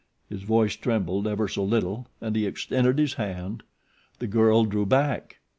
His voice trembled ever so little, and he extended his hand. The girl drew back.